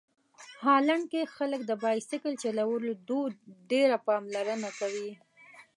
هالنډ کې خلک د بایسکل چلولو دود ډېره پاملرنه کوي.